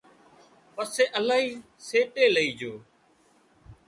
پسي الاهي سيٽي لئي جھو